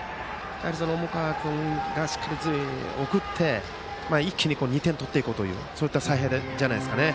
重川君がしっかり送って一気に２点を取っていこうという采配じゃないですかね。